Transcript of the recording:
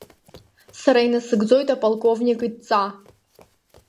Сара инасыгӡоит аполковник идҵа.